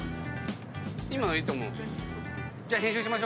今のいいと思う。